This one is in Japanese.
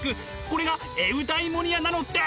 これがエウダイモニアなのです。